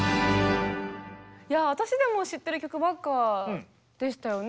いや私でも知ってる曲ばっかでしたよね。